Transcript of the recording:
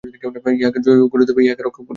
ইহাকে জয়ীও করিতে হইবে, ইহাকে রক্ষাও করিতে হইবে।